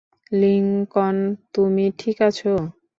Lincoln, তুমি ঠিক আছো?